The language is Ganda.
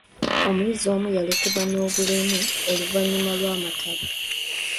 Omuyizi omu yalekebwa n'obulemu oluvannyuma lw'amataba.